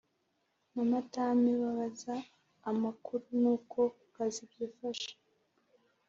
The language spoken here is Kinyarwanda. namadame babaza amakuru nuko kukazi byifashe